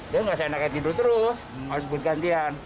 dia nggak seandainya tidur terus harus buat gantian